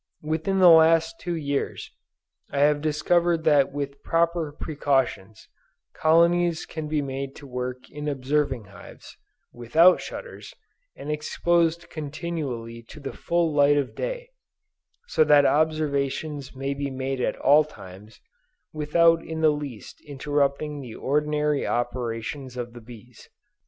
Within the last two years, I have discovered that with proper precautions, colonies can be made to work in observing hives, without shutters, and exposed continually to the full light of day; so that observations may be made at all times, without in the least interrupting the ordinary operations of the bees.